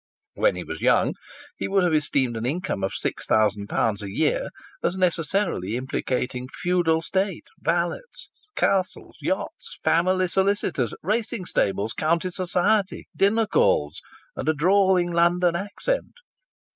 When he was young he would have esteemed an income of six thousand pounds a year as necessarily implicating feudal state, valets, castles, yachts, family solicitors, racing stables, county society, dinner calls and a drawling London accent.